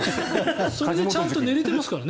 それでちゃんと寝れてますからね。